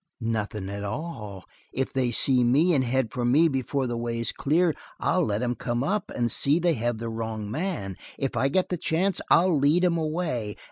"Nothing at all. If they see me and head for me before the way's clear, I'll let 'em come up and see they have the wrong man. If I get the chance, I'll lead 'em away.